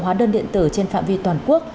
hóa đơn điện tử trên phạm vi toàn quốc